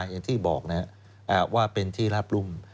อย่างที่บอกนะครับว่าเป็นที่ราบรุ่ม